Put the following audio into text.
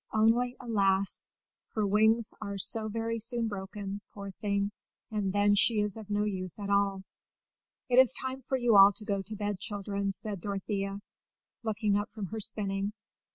only, alas! her wings are so very soon broken, poor thing, and then she is of no use at all. "It is time for you all to go to bed, children," said Dorothea, looking up from her spinning.